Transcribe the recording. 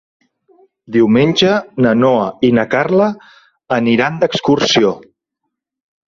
Diumenge na Noa i na Carla aniran d'excursió.